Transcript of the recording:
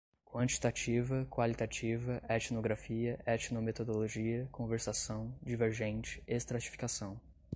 quantitativa, qualitativa, etnografia, etnometodologia, conversação, divergente, estratificação